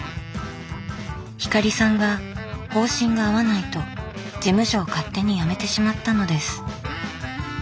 光さんが方針が合わないと事務所を勝手に辞めてしまったのです。